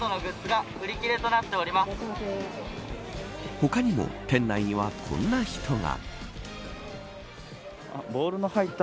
他にも店内にはこんな人が。